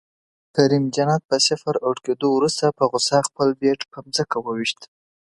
کریم جنت په صفر اؤټ کیدو وروسته په غصه خپل بیټ په ځمکه وویشت